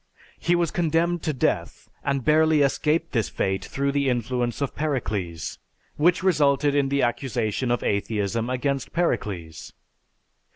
He was condemned to death and barely escaped this fate through the influence of Pericles; which resulted in the accusation of atheism against Pericles.